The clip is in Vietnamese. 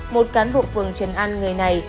một cán bộ phường trần an người này